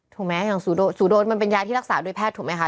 ถูกไหมอย่างสูโดนมันเป็นยาที่รักษาโดยแพทย์ถูกไหมคะ